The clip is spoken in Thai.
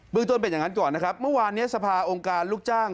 เมืองต้นเป็นอย่างนั้นก่อนนะครับเมื่อวานนี้สภาองค์การลูกจ้าง